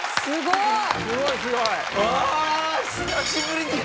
すごいすごい。